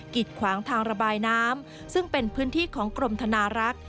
ขวางทางระบายน้ำซึ่งเป็นพื้นที่ของกรมธนารักษ์